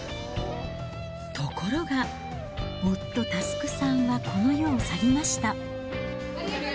ところが、夫、祐さんはこの世を去りました。